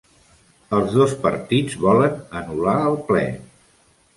Els dos partits volen anul·lar el ple